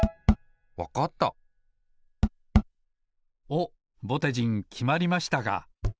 おっぼてじんきまりましたか。